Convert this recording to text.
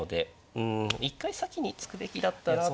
うん一回先に突くべきだったなと。